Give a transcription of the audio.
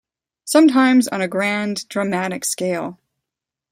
Sometimes on a grand, dramatic scale.